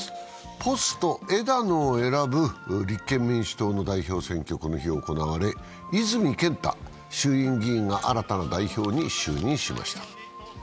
ポスト枝野を選ぶ立憲民主党の代表選挙がこの日行われ、泉健太衆院議員が新たな代表に就任しました。